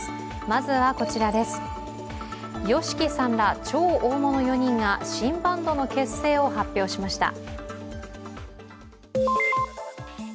ＹＯＳＨＩＫＩさんら超大物４人が、新バンドの結成を発表しました。